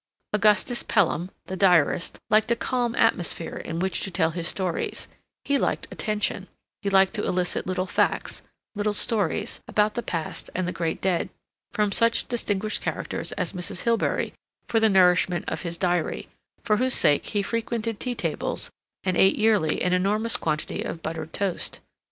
Augustus Pelham, the diarist, liked a calm atmosphere in which to tell his stories; he liked attention; he liked to elicit little facts, little stories, about the past and the great dead, from such distinguished characters as Mrs. Hilbery for the nourishment of his diary, for whose sake he frequented tea tables and ate yearly an enormous quantity of buttered toast.